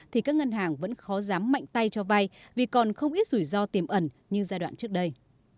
thì các ngân hàng vẫn khó dám mạnh tay cho vay vì còn không ít rủi ro tiềm ẩn như giai đoạn trước đây